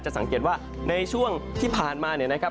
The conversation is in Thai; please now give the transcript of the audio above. สังเกตว่าในช่วงที่ผ่านมาเนี่ยนะครับ